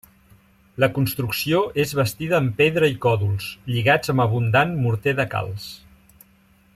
La construcció és bastida amb pedra i còdols, lligats amb abundant morter de calç.